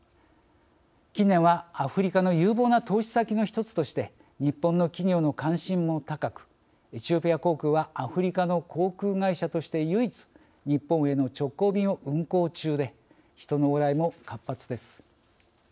近年はアフリカの有望な投資先の１つとして日本の企業の関心も高くエチオピア航空はアフリカの航空会社として唯一日本への直行便を運航中で人の往来も活発です。